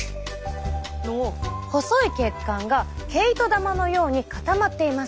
細い血管が毛糸玉のように固まっています。